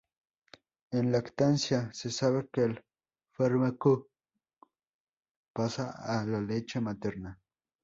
En lactancia, se sabe que el fármaco pasa a la leche materna.